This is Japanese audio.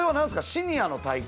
シニアの大会？